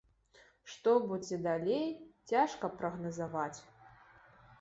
Што будзе далей, цяжка прагназаваць.